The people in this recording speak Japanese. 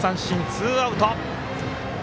ツーアウト。